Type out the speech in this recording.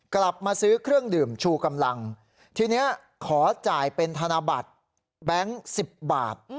กลับมาซื้อเครื่องดื่มชูกำลังทีนี้ขอจ่ายเป็นธนบัตรแบงค์๑๐บาท